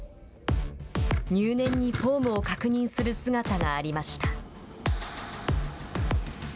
入念にフォームを確認する姿がありました。